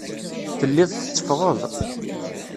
Telliḍ tetteffɣeḍ.